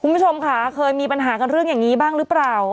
คุณผู้ชมค่ะเคยมีปัญหากันเรื่องอย่างนี้บ้างหรือเปล่า